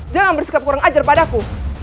jangan bersikap kurang ajar padaku